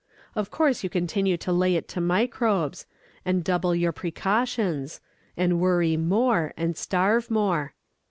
Of course you continue to lay it to microbes, and double your precautions and worry more, and starve more.